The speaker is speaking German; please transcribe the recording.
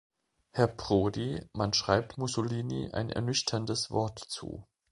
Herr Prodi, man schreibt Mussolini ein ernüchterndes Wort zu.